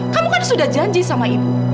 kamu kan sudah janji sama ibu